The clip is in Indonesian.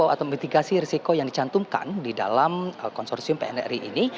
atau mitigasi risiko yang dicantumkan di dalam konsorsium pnri ini